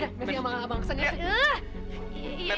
ya ya masih sama abang aksan ya